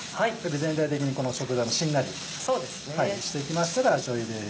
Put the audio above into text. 全体的にこの食材もしんなりしてきましたらしょうゆです。